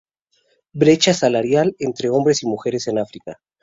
Brecha salarial entre hombres y mujeres en África.